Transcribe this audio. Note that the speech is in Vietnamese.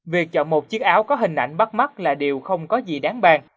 việc chọn một chiếc áo có hình ảnh bắt mắt là điều không có gì đáng bàn